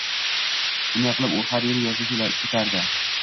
Shunday qilib u har yili yozda ketardi.